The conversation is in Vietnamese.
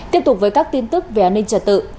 tiếp tục với các tin tức về an ninh trật tự